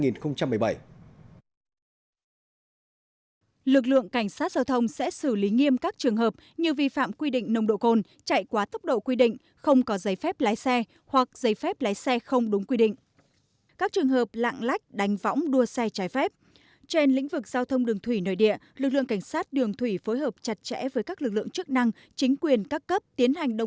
lực lượng cảnh sát giao thông sẽ xử lý nghiêm các trường hợp như vi phạm quy định nồng độ cồn chạy quá tốc độ quy định không có giấy phép lái xe hoặc giấy phép lái xe không đúng quy định